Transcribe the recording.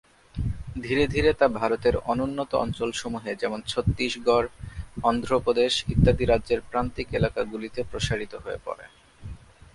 ধীরে ধীরে তা ভারতের অনুন্নত অঞ্চলসমূহে যেমন:ছত্তিশগড়, অন্ধ্রপ্রদেশ, ইত্যাদি রাজ্যের প্রান্তিক এলাকাগুলিতে প্রসারিত হয়ে পড়ে।